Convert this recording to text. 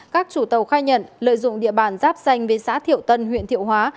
các chủ tàu khai nhận lợi dụng địa bàn ráp xanh với xã thiệu tân huyện thiệu hóa